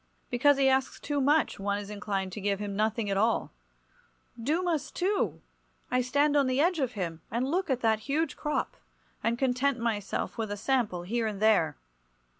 Because he asks too much one is inclined to give him nothing at all. Dumas, too! I stand on the edge of him, and look at that huge crop, and content myself with a sample here and there.